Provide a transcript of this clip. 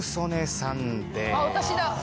あっ私だ！